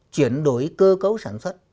chuyển đổi cơ cấu sản xuất